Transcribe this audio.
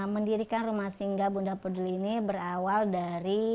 mendirikan rumah singga bunda peduli ini berawal dari